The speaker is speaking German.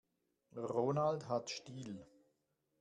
Ronald hat Stil.